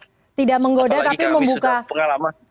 apalagi kami sudah pengalaman